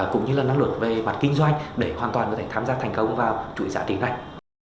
cũng như là năng lực về mặt kinh doanh để hoàn toàn có thể tham gia thành công vào chuỗi giá trị này